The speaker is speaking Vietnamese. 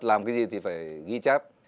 làm cái gì thì phải ghi chép